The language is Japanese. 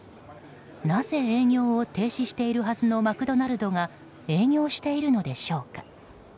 なぜ営業を停止しているはずのマクドナルドが営業しているのでしょうか。